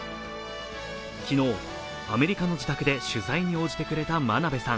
昨日、アメリカの自宅で取材に応じてくれた真鍋さん。